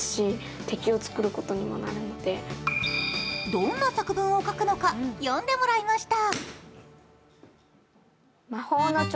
どんな作文を書くのか読んでもらいました。